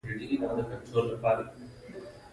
وژنه د سترګو خوب ورولي